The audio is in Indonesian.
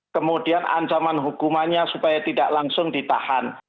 kemudian ancaman hukumannya supaya tidak langsung ditahan